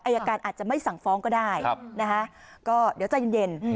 อายการอาจจะไม่สั่งฟ้องก็ได้นะคะก็เดี๋ยวใจเย็น